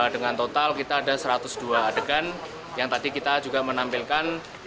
dengan total kita ada satu ratus dua adegan yang tadi kita juga menampilkan